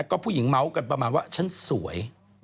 ก็ผู้หญิงเมาส์กันประมาณว่าฉันสวย